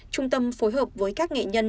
trung tâm phối hợp với các nghệ nhân